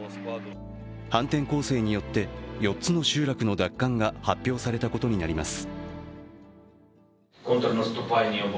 反転攻勢によって、４つの集落の奪還が発表されたことになります。